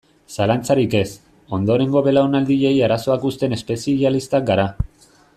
Zalantzarik ez, ondorengo belaunaldiei arazoak uzten espezialistak gara.